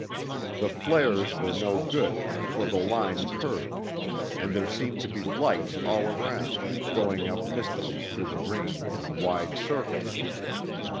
The flares were no good, for the line curved, and there seemed to be lights all around, going up mistily through the rain in a wide circle.